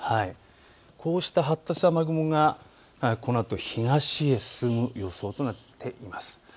こうした発達した雨雲がこのあと東へ進む予想となっています。